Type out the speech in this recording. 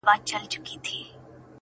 يوه نه، دوې نه، څو دعاوي وكړو.